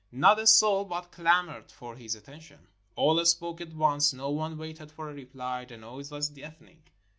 Not a soul but clamored for his attention. All spoke at once — no one waited for a reply. The noise was deafening.